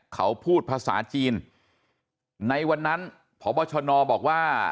เขาพูดภาษาจีนในวันนั้นพบชนบอกว่า